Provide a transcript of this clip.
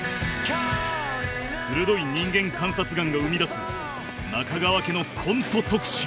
鋭い人間観察眼が生み出す中川家のコント特集